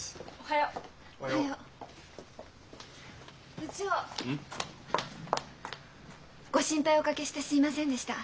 うん？ご心配をおかけしてすみませんでした。